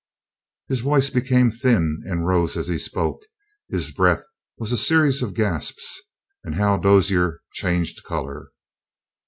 His voice became thin and rose as he spoke; his breath was a series of gasps, and Hal Dozier changed color.